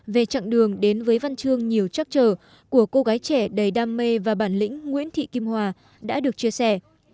về chặng đường đến với văn chương nhiều chắc trở của cô gái trẻ đầy đam mê và bản lĩnh nguyễn thị kim hòa đã được chia sẻ